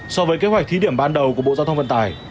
so với kế hoạch thí điểm ban đầu của bộ giao thông vận tải